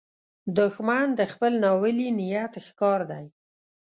دښمن د خپل ناولي نیت ښکار دی